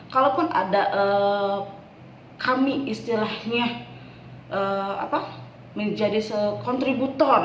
kalaupun ada kami istilahnya menjadi kontributor